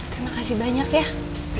terima kasih banyak ya